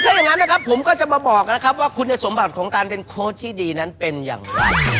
ถ้าอย่างนั้นนะครับผมก็จะมาบอกนะครับว่าคุณสมบัติของการเป็นโค้ชที่ดีนั้นเป็นอย่างไร